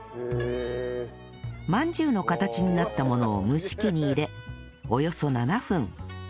饅頭の形になったものを蒸し器に入れおよそ７分